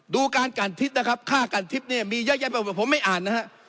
ดูการกันทิศนะครับฆ่ากันทิพย์เนี่ยมีเยอะแยะไปหมดผมไม่อ่านนะฮะ